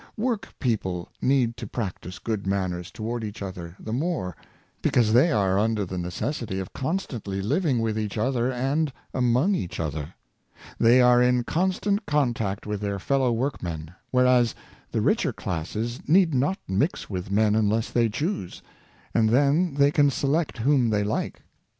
Work people need to practice good manners toward each other the more, because they are under the neces sity of constantly living with each other and among each other. They are in constant contact with their fellow workmen, whereas the richer classes need not mix with men unless they choose, and then they can select whom they like.